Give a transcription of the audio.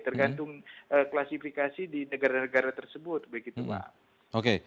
tergantung klasifikasi di negara negara tersebut